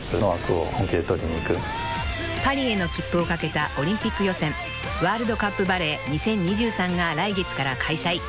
［パリへの切符を懸けたオリンピック予選ワールドカップバレー２０２３が来月から開催］